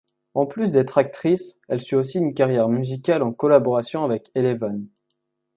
En plus d'être actrice, elle suit aussi une carrière musicale en collaboration avec Ellevan.